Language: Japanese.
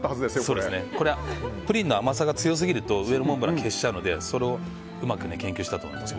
これ、プリンの甘さが強すぎるとモンブランを消しちゃうのでそれをうまく研究したと思います。